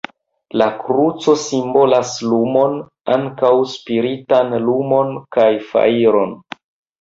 La kruco simbolas lumon, ankaŭ spiritan lumon, kaj fajron.